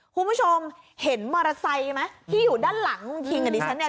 คุณผู้ชมเห็นมอเตอร์ไซค์ไหมที่อยู่ด้านหลังคุณคิงกับดิฉันเนี่ย